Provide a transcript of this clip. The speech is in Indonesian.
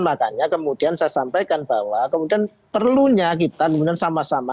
makanya kemudian saya sampaikan bahwa kemudian perlunya kita kemudian sama sama